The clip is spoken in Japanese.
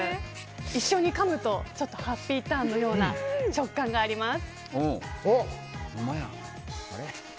一緒にかむとハッピーターンのような食感があります。